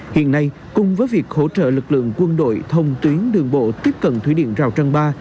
hiện nay cùng với việc hỗ trợ lực lượng quân đội thông tuyến đường bộ tiếp cận thủy điện rào trăng ba